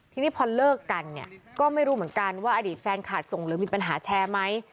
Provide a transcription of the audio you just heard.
ทีนี้พอเลิกกันเนี่ยก็ไม่รู้เหมือนกันว่าอดีตแฟนขาดส่งหรือมีปัญหาแชร์ไหม